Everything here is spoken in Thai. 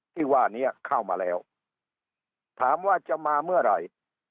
ที่ว่านี้เข้ามาแล้วถามว่าจะมาเมื่อไหร่